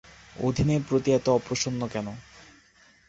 অধীনের প্রতি এত অপ্রসন্ন কেন?